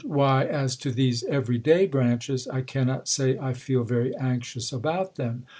Why, as to these every day branches, I can not say I feel very anxious about them.